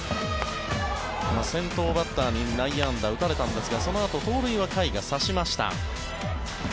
先頭バッターに内野安打を打たれたんですがそのあと、盗塁は甲斐が刺しました。